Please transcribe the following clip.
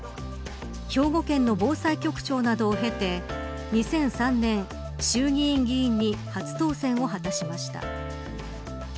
兵庫県の防災局長などを経て２００３年、衆議院議員に初当選を果たしました。